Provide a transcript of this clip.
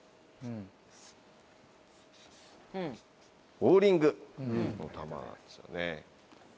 ボウリングの球なんですよね。